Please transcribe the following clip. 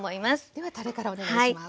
ではたれからお願いします。